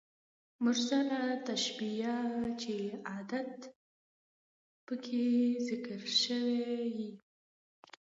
مرسله تشبېه چي ادات پکښي ذکر سوي يي.